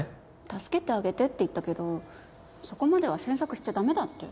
助けてあげてって言ったけどそこまでは詮索しちゃ駄目だって。